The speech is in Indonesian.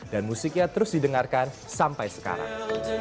dan musiknya terus didengarkan sampai sekarang